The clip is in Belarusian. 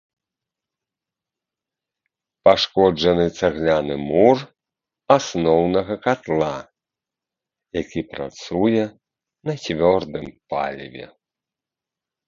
Пашкоджаны цагляны мур асноўнага катла, які працуе на цвёрдым паліве.